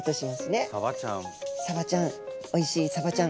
サバちゃんおいしいサバちゃん。